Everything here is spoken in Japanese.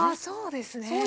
そうですね。